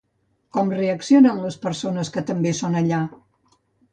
Com reaccionen les persones que també són allà?